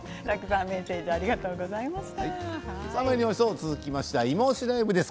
続きまして「いまオシ！ＬＩＶＥ」です。